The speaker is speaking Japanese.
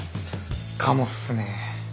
かもっすね。